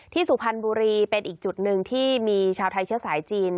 สุพรรณบุรีเป็นอีกจุดหนึ่งที่มีชาวไทยเชื้อสายจีน